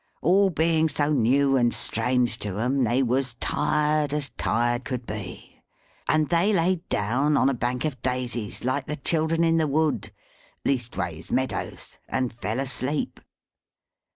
All being so new and strange to 'em, they was tired as tired could be. And they laid down on a bank of daisies, like the children in the wood, leastways meadows, and fell asleep.